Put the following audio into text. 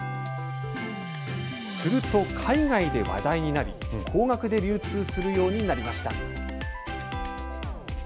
すると、海外で話題になり、高額で流通するようになりました。